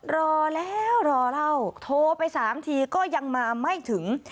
รอแล้วรอเล่าโทรไป๓ทีก็ยังมาไม่ถึง